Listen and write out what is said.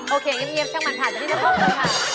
โอเคเงี๊ยบช่างมันค่ะเดี๋ยวพี่จะพบกันค่ะ